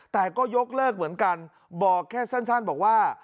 แต่ก็ยกเลิกเหมือนกันบอกแค่สั้นบอกว่า